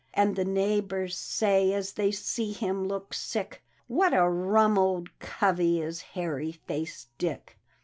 " And the neighbors say, as they see him look sick, " What a rum old covey is Hairy faced Dick!